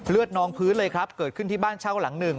นองพื้นเลยครับเกิดขึ้นที่บ้านเช่าหลังหนึ่ง